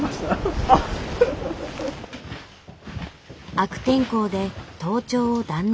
悪天候で登頂を断念。